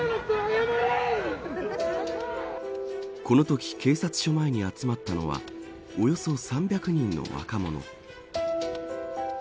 このとき警察署前に集まったのはおよそ３００人の若者。